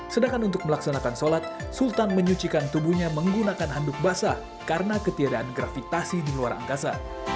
sedangkan untuk melaksanakan sholat sultan menyucikan tubuhnya menggunakan handuk basah karena ketiadaan gravitasi di luar angkasa